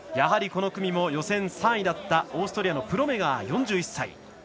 この組も、予選３位だったオーストリアのプロメガー、４１歳。